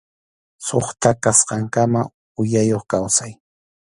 Suqta kasqankama uyayuq kawsay.